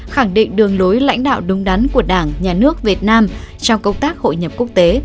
khẳng định đường lối lãnh đạo đúng đắn của đảng nhà nước việt nam trong công tác hội nhập quốc tế